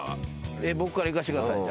僕からいかしてください。